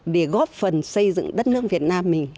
để góp phần xây dựng đất nước việt nam mình